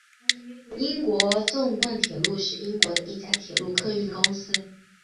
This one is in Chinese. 英国纵贯铁路是英国的一家铁路客运公司。